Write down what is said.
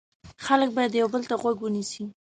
خلک باید یو بل ته غوږ ونیسي.